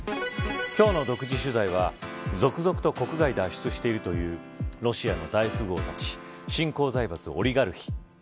今日の独自取材は続々と国外へ脱出してるというロシアの大富豪たち新興財閥、オリガルヒ。